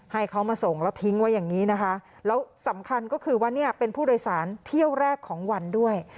ให้เขามาส่งแล้วทิ้งไว้อย่างนี้นะคะแล้วสำคัญก็คือว่าเนี่ยเป็นผู้โดยสารเที่ยวแรกของวันด้วย